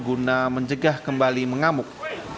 pria menjaga kembali mengamuk